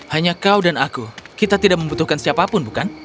hanya kau dan aku kita tidak membutuhkan siapapun bukan